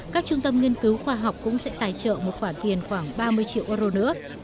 các trung tâm nghiên cứu khoa học cũng sẽ tài trợ một khoản tiền khoảng ba mươi triệu euro nữa